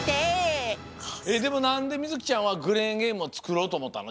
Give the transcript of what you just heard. でもなんでみずきちゃんはクレーンゲームをつくろうとおもったの？